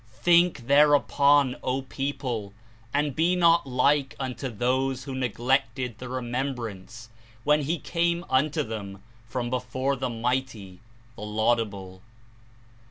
Think thereupon, O people, and be not like unto those who neglected the Remembrancer when He came unto them from before the Mighty, the Laudable.